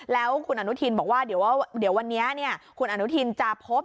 แล้วคุณอนุทินบอกว่าเดี๋ยววันนี้คุณอนุทินจะพบ